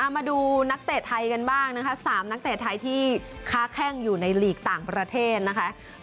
มาดูนักเตะไทยกันบ้างนะคะ๓นักเตะไทยที่ค้าแข้งอยู่ในหลีกต่างประเทศนะคะ